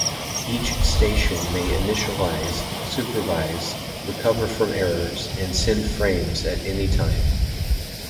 Each station may initialize, supervise, recover from errors, and send frames at any time.